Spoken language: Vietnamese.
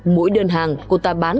mỗi đơn hàng cô ta bán